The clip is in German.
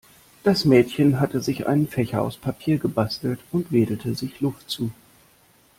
Das Mädchen hatte sich einen Fächer aus Papier gebastelt und wedelte sich Luft zu.